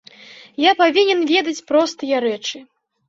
Я павінен ведаць простыя рэчы.